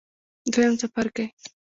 دویم څپرکی